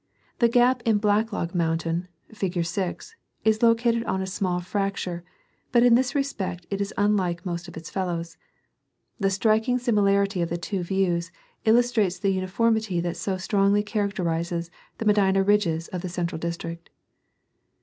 The gap in Black Log mountain, fig. 6, is located on a small frac ture, but in this respect it is unlike most of its fellows.* The striking similarity of the two views illustrates the uniformity that so strongly characterizes the Medina ridges of the central district.